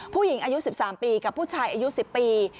ผู้หญิงอายุ๑๓ปีกับผู้ชายอายุ๑๐ปี